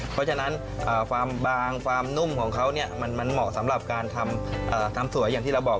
เพราะฉะนั้นความบางความนุ่มของเขามันเหมาะสำหรับการทำสวยอย่างที่เราบอก